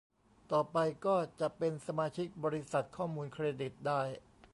ต่อไปก็จะเป็นสมาชิกบริษัทข้อมูลเครดิตได้